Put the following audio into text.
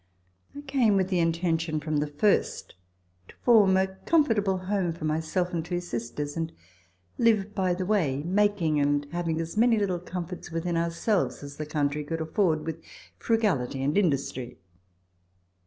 I came with the intention from the first to form a comfortable home for self and two sisters, and live by the way, making and having as many little comforts within ourselves as the country could afford with frugality and industry.